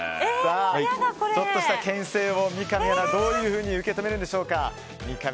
ちょっとした牽制を三上アナはどういうふうに受け止めるんでしょうか。